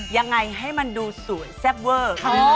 ยังไงให้มันดูสวยแซ่บเวอร์